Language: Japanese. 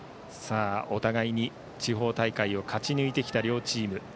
お互いに地方大会を勝ち抜いてきた両チーム。